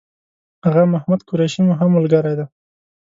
آغا محمد قریشي مو هم ملګری دی.